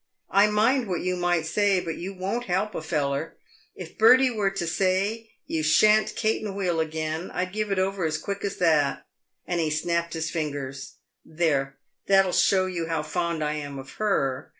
I'd mind what you might say, but you won't help a feller. If Bertie were to say, ' you shan't caten wheel again,' I'd give it over as quick as that" — and he snapped his fingers. " There ! that'll show you how fond I am of her.